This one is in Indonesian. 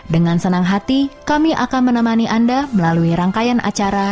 dengan senang hati kami akan menemani anda melalui rangkaian acara